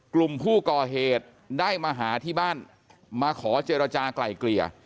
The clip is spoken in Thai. กลุ่มผู้ก่อเหตุได้มาหาที่บ้านมาขอเจรจากลายเกลี่ย